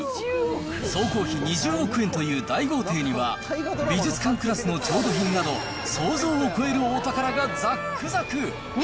総工費２０億円という大豪邸には、美術館クラスの調度品など、想像を超えるお宝がざっくざく。